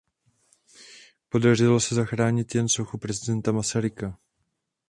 Podařilo se zachránit jen sochu prezidenta Masaryka.